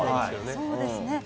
そうですね。